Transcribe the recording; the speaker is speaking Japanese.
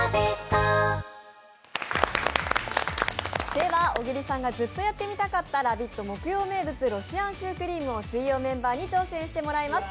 では小栗さんがずっとやってみたかった木曜名物ロシアンシュークリームを水曜メンバーに挑戦してもらいます。